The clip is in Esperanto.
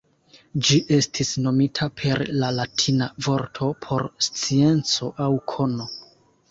Ĝi estis nomita per la latina vorto por "scienco" aŭ "kono".